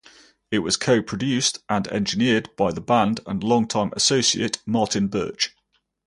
It was co-produced and engineered by the band and longtime associate Martin Birch.